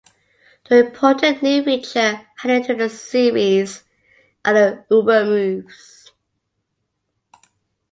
The important new feature added to the series are the Uber moves.